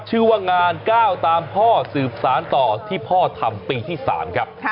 ชื่อว่างานก้าวตามพ่อสืบสารต่อที่พ่อทำปีที่๓ครับ